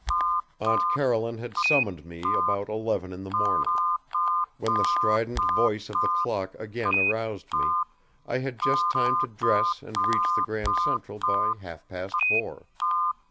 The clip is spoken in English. Aunt Caroline had summoned me about eleven in the morning. When the strident voice of the clock again aroused me, I had just time to dress and reach the Grand Central by half past four.